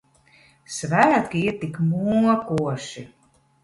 Svētki ir tik mokoši.